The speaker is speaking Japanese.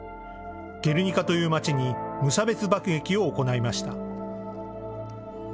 ゲルニカという町に無差別爆撃を行いました。